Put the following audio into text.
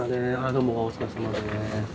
どうもお疲れさまです。